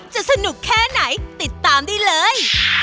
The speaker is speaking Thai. จะสนุกแค่ไหนติดตามได้เลย